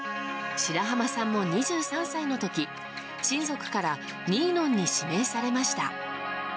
白濱さんも２３歳の時親族からニーノンに指名されました。